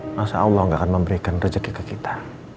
masa allah enggak akan memberikan rejeki ke kita